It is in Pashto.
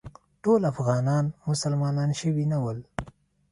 ټول افغانان مسلمانان شوي نه ول.